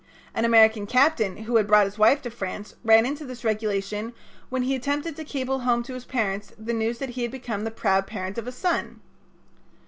An American captain who had brought his wife to France ran into this regulation when he attempted to cable home to his parents the news that he had become the proud parent of a son.